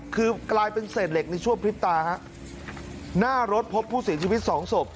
คือกลายเป็นเศษเหล็กในช่วงพริบตาฮะหน้ารถพบผู้เสียชีวิตสองศพ